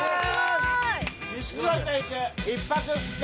「錦鯉と行く１泊２日！